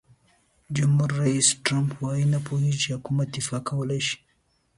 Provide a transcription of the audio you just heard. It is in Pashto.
جمهور رئیس ټرمپ وایي نه پوهیږي چې حکومت دفاع کولای شي.